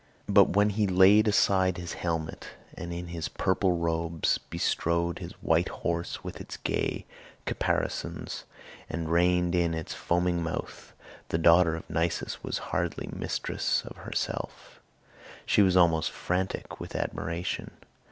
But when he laid aside his helmet, and in his purple robes bestrode his white horse with its gay caparisons, and reined in its foaming mouth, the daughter of Nisus was hardly mistress of herself; she was almost frantic with admiration.